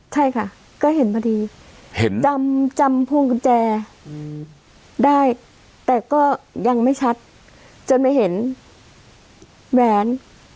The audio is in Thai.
ใช่ค่ะก็เห็นพอดีเห็นจำพวงกุญแจได้แต่ก็ยังไม่ชัดจนไปเห็นแหวน